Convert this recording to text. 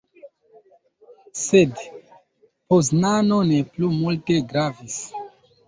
Sed, Poznano ne plu multe gravis.